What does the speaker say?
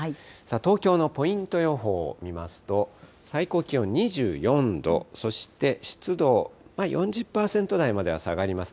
東京のポイント予報を見ますと、最高気温２４度、そして湿度４０％台までは下がります。